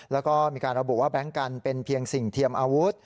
แล้วก็มีการระบุว่าแบงค์กันเป็นเพียงสิ่งเทียมอาวุธ